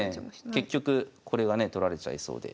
結局これがね取られちゃいそうで。